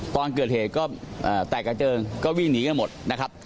ตอนเกิดเหตุก็แตกกระเจิงก็วิ่งหนีกันหมดนะครับ